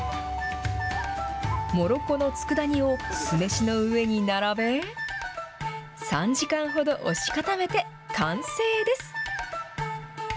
もろこの佃煮を酢飯の上に並べ、３時間ほど押し固めて完成です。